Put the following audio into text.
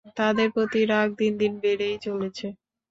তাদের প্রতি রাগ দিন দিন বেড়েই চলেছে।